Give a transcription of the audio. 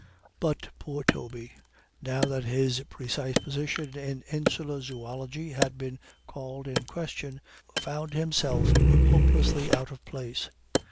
"But poor Toby, now that his precise position in insular zoology had been called in question, found himself hopelessly out of place.